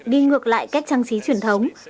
đi ngược lại cách trang trí truyền thống